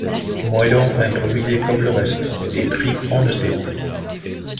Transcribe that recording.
Moellons improvisés comme le reste, et pris on ne sait où.